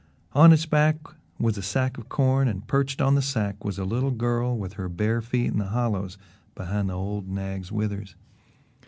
On its back was a sack of corn and perched on the sack was a little girl with her bare feet in the hollows behind the old nag's withers.